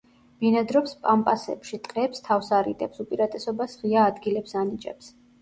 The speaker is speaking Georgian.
ბინადრობს პამპასებში, ტყეებს თავს არიდებს, უპირატესობას ღია ადგილებს ანიჭებს.